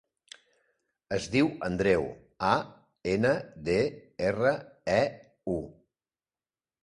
Es diu Andreu: a, ena, de, erra, e, u.